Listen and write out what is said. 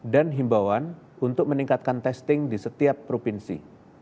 dan himbauan untuk meningkatkan testing di setiap provinsi